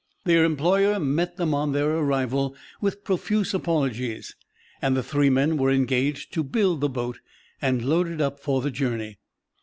Their employer met them on their arrival with profuse apologies, and the three men were engaged to build the boat and load it up for the journey.